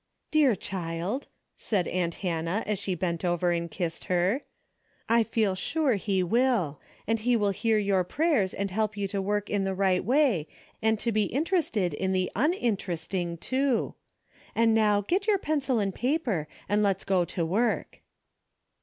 " Dear child," said aunt Hannah as she bent over and kissed her, " I feel sure he will, and he will hear your prayers and help you to work in the right way and to be interested in A DAILY RATE.'^ 177 the uninteresting, too. And now get your pencil and paper and let's go to work."